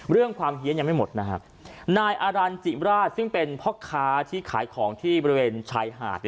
เรื่องความเฮียนยังไม่หมดนะครับนายอารันจิมราชซึ่งเป็นพ่อค้าที่ขายของที่บริเวณชายหาด